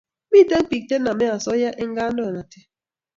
Mito piik che name asoya eng' kandoinatet